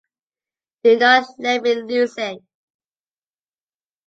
Do not let me lose it.